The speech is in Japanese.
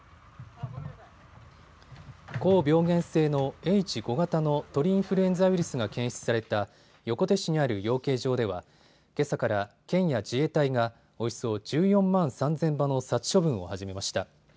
高病原性のＨ５型の鳥インフルエンザウイルスが検出された横手市にある養鶏場ではけさから県や自衛隊がおよそ１４万３０００羽の殺処分を始めました。